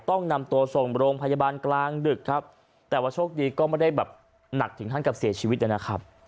ต้องนำตัวส่งโรงพยาบาลกลางดึกครับแต่ว่าโชคดีก็ไม่ได้แบบหนักถึงขั้นกับเสียชีวิตนะครับ